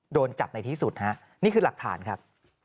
โดนจับในที่สุดฮะนี่คือหลักฐานครับ